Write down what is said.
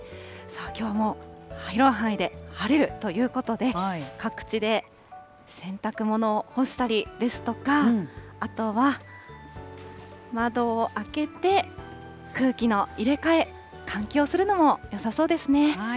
きょうは広い範囲で晴れるということで、各地で洗濯物を干したりですとか、あとは窓を開けて空気の入れ替え、換気をするのもよさそうですね。